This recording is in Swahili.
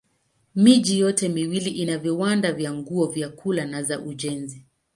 Miji yote miwili ina viwanda vya nguo, vyakula na za ujenzi.